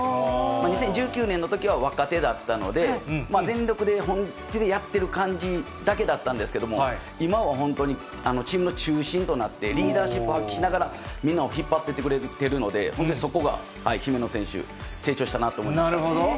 ２０１９年のときは若手だったので、全力で、本気でやってる感じだけだったんですけれども、今は本当にチームの中心となって、リーダーシップを発揮しながら、みんなを引っ張っていってくれてるので、本当にそこが、姫野選手、なるほど。